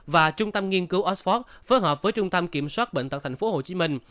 và nghiên cứu oxford phối hợp với trung tâm kiểm soát bệnh tật thành phố hồ chí minh